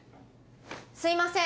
すいません。